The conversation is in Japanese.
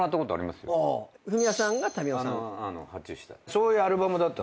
そういうアルバムだった。